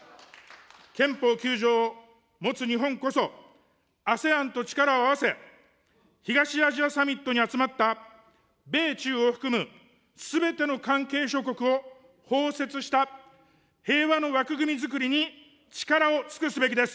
憲法９条を持つ日本こそ、ＡＳＥＡＮと力を合わせ、東アジアサミットに集まった米中を含むすべての関係諸国を包摂した、平和の枠組みづくりに力を尽くすべきです。